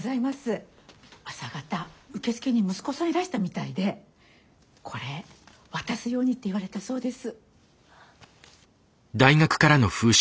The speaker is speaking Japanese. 朝方受付に息子さんいらしたみたいでこれ渡すようにって言われたそうです。